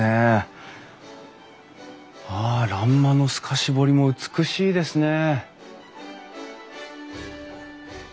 あ欄間の透かし彫りも美しいですね！